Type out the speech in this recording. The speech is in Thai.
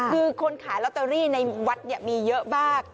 คือคนขายลอตเตอรี่ในวัดมีเยอะมาก